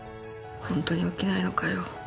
本当に起きないのかよ。